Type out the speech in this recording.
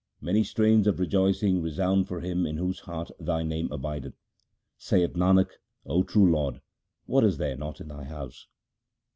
Many strains of rejoicing resound for him in whose heart Thy name abideth. Saith Nanak, O true Lord, what is there not in Thy house